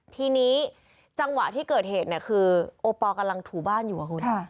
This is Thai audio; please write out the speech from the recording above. ทีนี้จังหวะที่เกิดเหตุเนี่ยคือโอปอลกำลังถูบ้านอยู่อะคุณ